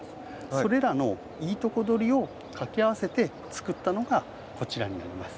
それらのいいとこどりをかけ合わせて作ったのがこちらになります。